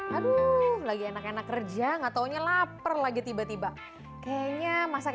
hai hai hai aduh lagi enak enak kerja nggak taunya lapar lagi tiba tiba kayaknya masak